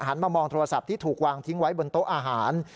มามองโทรศัพท์ที่ถูกวางทิ้งไว้บนโต๊ะอาหาร